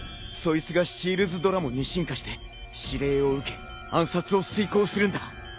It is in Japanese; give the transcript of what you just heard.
そいつがシールズドラモンに進化して指令を受け暗殺を遂行するんだ。